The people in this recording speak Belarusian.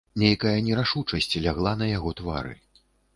Нейкая нерашучасць лягла на яго твары.